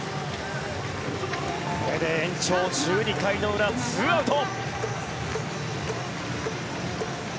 これで延長１２回の裏、２アウト。